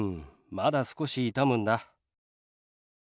まだ少し痛むんだ。